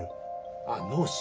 あっ「脳死」？